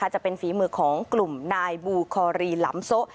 จะเป็นฝีมือของกลุ่มนายบูคอรีหลำโซะ